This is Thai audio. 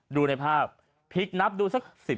ดูในภาพพลิกนับดูสัก๑๐